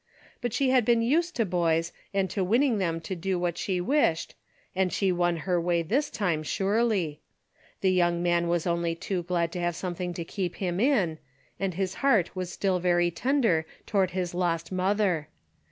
But she had been used to boys, and to winning them to do what she wished, and she won her way this time surely. The young man was only too glad to have something to keep him in, and his heart was still very tender toward his lost mother.